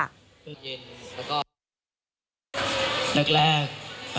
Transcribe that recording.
จากแรก